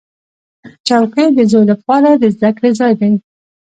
چوکۍ د زوی لپاره د زده کړې ځای دی.